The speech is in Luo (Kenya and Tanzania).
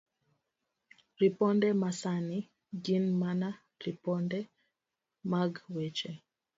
Ripode Masani Gin mana ripode mag weche